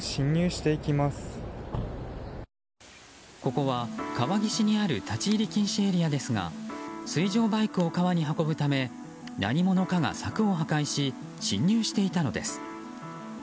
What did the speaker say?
ここは川岸にある立ち入り禁止エリアですが水上バイクを川に運ぶため何者かが柵を破壊し侵入していたのです。